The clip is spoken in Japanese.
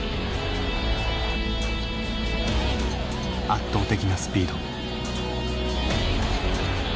圧倒的なスピード。